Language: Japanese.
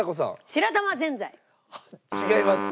違います。